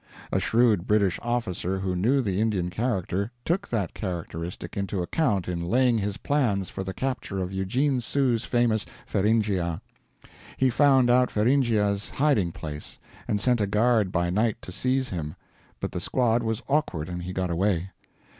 A shrewd British officer who knew the Indian character, took that characteristic into account in laying his plans for the capture of Eugene Sue's famous Feringhea. He found out Feringhea's hiding place, and sent a guard by night to seize him, but the squad was awkward and he got away.